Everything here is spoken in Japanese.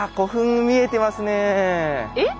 えっ？